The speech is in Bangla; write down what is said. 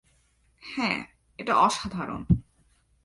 হ্যাঁ, এটা অসাধারণ।